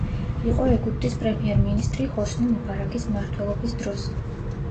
იყო ეგვიპტის პრემიერ-მინისტრი ჰოსნი მუბარაქის მმართველობის დროს.